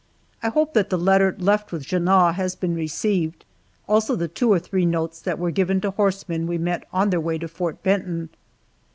I hope that the letter left with Junot has been received, also the two or three notes that were given to horsemen we met on their way to Fort Benton.